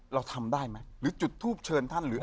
เราทำได้ไหมหรือจุดทูปเชิญท่านหรือ